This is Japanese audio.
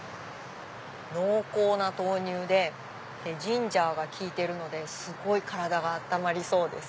濃厚な豆乳でジンジャーが効いてるのですごい体が温まりそうです。